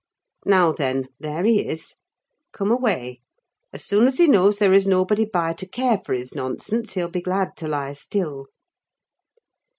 Now, then, there he is! Come away: as soon as he knows there is nobody by to care for his nonsense, he'll be glad to lie still."